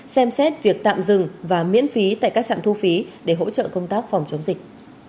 xem xét việc tạm dừng và miễn phí tại các trạm thu phí để hỗ trợ công tác phòng chống dịch